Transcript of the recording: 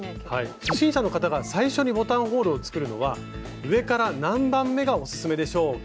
初心者の方が最初にボタンホールを作るのは上から何番目がオススメでしょうか？